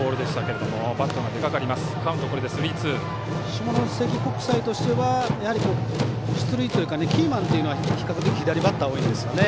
下関国際としては、出塁というかキーマンというのは比較的左バッターが多いんですよね。